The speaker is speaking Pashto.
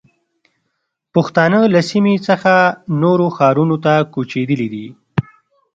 پښتانه له سیمې څخه نورو ښارونو ته کوچېدلي دي.